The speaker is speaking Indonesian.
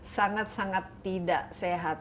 sangat sangat tidak sehat